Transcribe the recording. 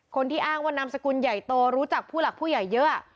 คนที่อ้างว่านามสกุลใหญ่โตรู้จักผู้หลักผู้ใหญ่เยอะ